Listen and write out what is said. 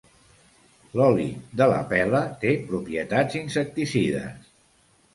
L'oli de la pela té propietats insecticides.